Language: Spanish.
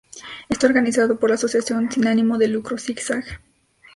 Está organizado por la asociación sin ánimo de lucro Zig Zag.